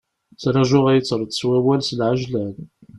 Ttrajuɣ ad iyi-d-terreḍ s wawal s lɛejlan.